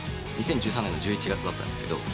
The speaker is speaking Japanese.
２０１３年の１１月だったんですけど。